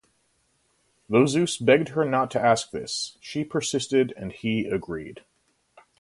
Though Zeus begged her not to ask this, she persisted and he agreed.